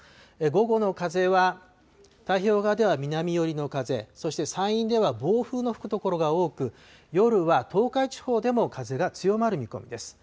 午後の風は太平洋側では南寄りの風、そして山陰では暴風の吹く所が多く、夜は東海地方でも風が強まる見込みです。